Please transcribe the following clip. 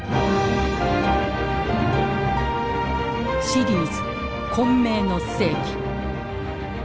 シリーズ「混迷の世紀」。